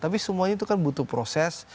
tapi semuanya itu kan butuh proses